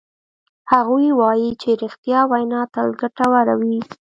هغوی وایي چې ریښتیا وینا تل ګټوره وی